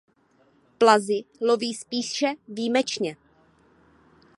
Plazy loví spíše výjimečně.